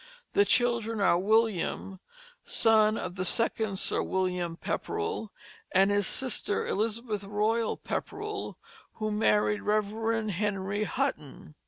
The children are William, son of the second Sir William Pepperell, and his sister Elizabeth Royal Pepperell, who married Rev. Henry Hutton.